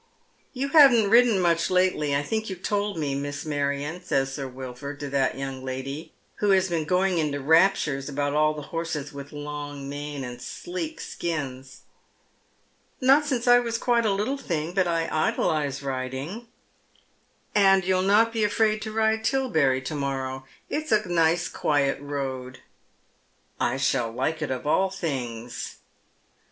" You haven't ridden much lately, I think you told me. Miss I\Iarion, says Sir Wilford to that young lady, who has been going into raptures about all the horses wth long manes and sleek ekins. "Not since I was quite a little thing, but I idolize riding," " And you'll not be afraid to ride to Tilberry to morrow. It's a nice quiet road," " I shoU like it of all things." 200 Dead Men's Shoes.